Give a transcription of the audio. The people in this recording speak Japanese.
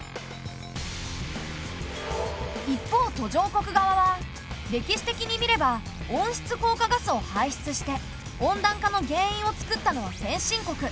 一方途上国側は「歴史的に見れば温室効果ガスを排出して温暖化の原因を作ったのは先進国。